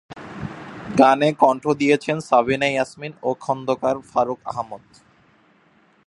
গানে কণ্ঠ দিয়েছেন সাবিনা ইয়াসমিন ও খন্দকার ফারুক আহমদ।